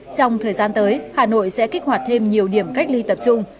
trong thời gian tới hà nội sẽ kích hoạt thêm nhiều điểm cách ly tập trung